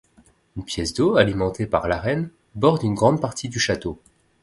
Une pièce d'eau alimentée par l'Arène borde une grande partie du château.